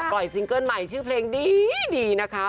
ปล่อยซิงเกิ้ลใหม่ชื่อเพลงดีดีนะคะ